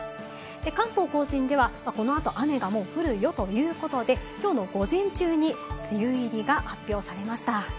関東甲信ではこのあと雨がもう降るよということで、きょうの午前中に梅雨入りが発表されました。